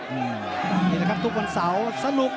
นี่แหละครับทุกวันเสาร์สนุก